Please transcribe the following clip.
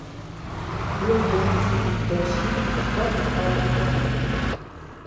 Lotoʼn juli dɔ su, kpɛkun ɔ ɔli Bouaké.